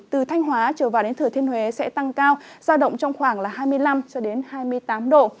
từ thanh hóa trở vào đến thừa thiên huế sẽ tăng cao giao động trong khoảng hai mươi năm hai mươi tám độ